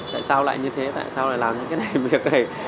tại sao lại như thế tại sao lại làm những cái này việc này